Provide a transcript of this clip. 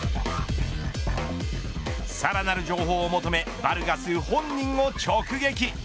さらなる情報を求めバルガス本人を直撃。